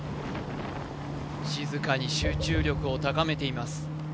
静かに集中力を高めています